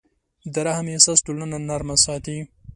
د رحم احساس ټولنه نرمه ساتي.